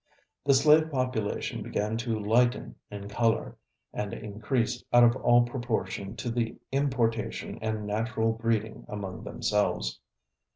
The slave population began to lighten in color, and increase out of all proportion to the importation and natural breeding among themselves.